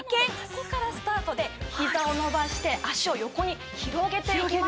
ここからスタートでひざを伸ばして脚を横に広げていきましょう。